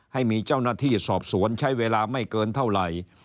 ให้มีเจ้าหน้าที่สอบสวนใช้เวลาไม่เกินเท่าไหร่